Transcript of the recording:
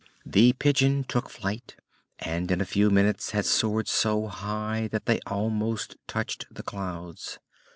The Pigeon took flight and in a few minutes had soared so high that they almost touched the clouds.